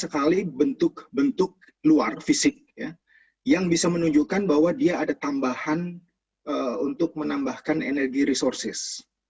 sekali bentuk bentuk luar fisik yang bisa menunjukkan bahwa dia ada tambahan untuk menambahkan energi resources